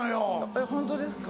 えっホントですか？